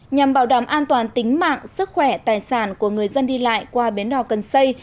nhằm bảo đảm an toàn tính mạng sức khỏe tài sản của người dân đi lại qua bến đò cần xây